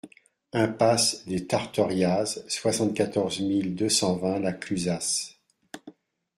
Impasse des Tarteriaz, soixante-quatorze mille deux cent vingt La Clusaz